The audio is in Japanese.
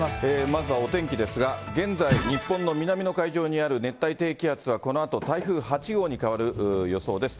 まずはお天気ですが、現在、日本の南の海上にある熱帯低気圧は、このあと台風８号に変わる予想です。